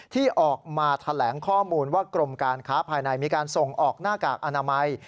ที่ออกมาแถลงข้อมูลว่ากรมการค้าภายในมีการส่งออกหน้ากากอนามัย